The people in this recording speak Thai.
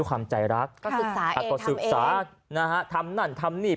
เย้ความใจรักก็ศึกษาเองจากศึกษาทำนั่นทำนี่